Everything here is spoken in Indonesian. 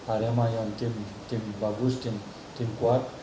arema yang tim bagus tim kuat